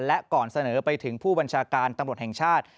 และก่อนเสนอไปถึงผู้บัญชาการตำรวจแห่งชาติ